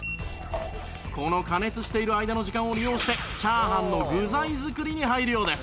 この加熱している間の時間を利用してチャーハンの具材作りに入るようです